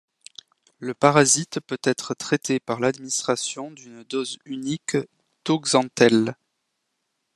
Le parasite peut être traité par l’administration d'une dose unique d'oxantel.